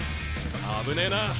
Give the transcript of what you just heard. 危ねぇな！